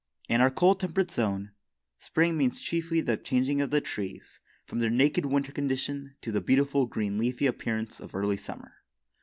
In our cold temperate zone spring means chiefly the changing of the trees from their naked winter condition to the beautiful green leafy appearance of early summer.